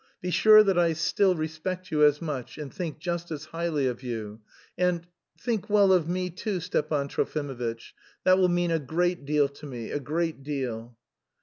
"Be sure that I still respect you as much... and think just as highly of you, and... think well of me too, Stepan Trofimovitch, that will mean a great deal to me, a great deal...."